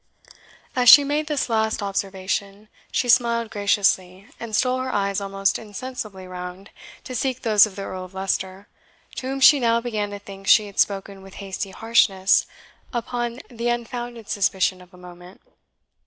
As she made this last observation she smiled graciously, and stole her eyes almost insensibly round to seek those of the Earl of Leicester, to whom she now began to think she had spoken with hasty harshness upon the unfounded suspicion of a moment.